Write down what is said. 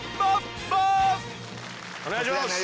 お願いします。